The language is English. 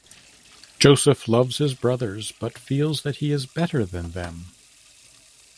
Joseph loves his brothers but feels that he is better than them.